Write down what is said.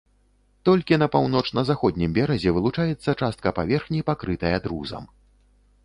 Толькі на паўночна-заходнім беразе вылучаецца частка паверхні, пакрытая друзам.